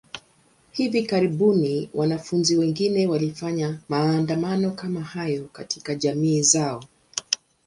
Hivi karibuni, wanafunzi wengine walifanya maandamano kama hayo katika jamii zao.